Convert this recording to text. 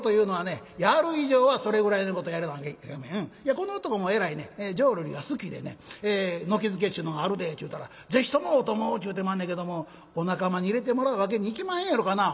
この男もえらいね浄瑠璃が好きでね『軒づけっちゅうのがあるで』って言うたら『ぜひともお供を』っちゅうてまんねんけどもお仲間に入れてもらうわけにいきまへんやろかな」。